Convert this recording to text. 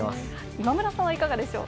今村さんはいかがでしょう。